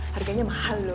harganya mahal loh